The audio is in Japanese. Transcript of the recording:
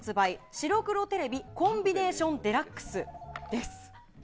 白黒テレビコンビネーションデラックスです。